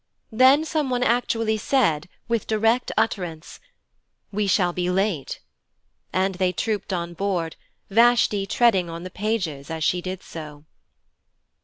Then some one actually said with direct utterance: 'We shall be late' and they trooped on board, Vashti treading on the pages as she did so.